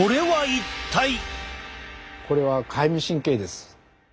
これはかゆみ神経です。